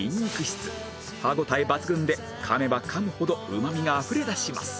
歯応え抜群で噛めば噛むほどうまみがあふれだします